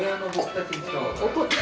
怒った？